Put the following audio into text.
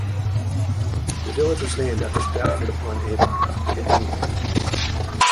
The village was named after Stratford-upon-Avon, in England.